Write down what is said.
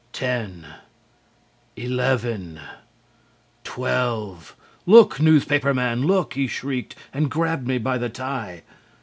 Ten eleven twelve! "Look, Newspaper Man, look!" he shrieked and grabbed me by the tie.